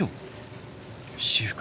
私服？